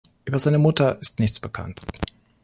Über seine Mutter ist nichts bekannt.